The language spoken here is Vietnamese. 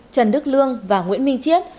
trần đức lương và nguyễn minh chiết